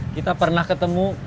kita pernah ketemu